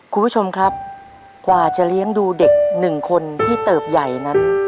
คุณผู้ชมครับกว่าจะเลี้ยงดูเด็กหนึ่งคนที่เติบใหญ่นั้น